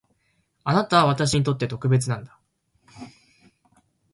あなたは私にとって特別なんだ